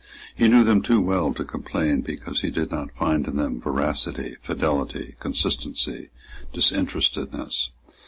He knew them too well to complain because he did not find in them veracity, fidelity, consistency, disinterestedness.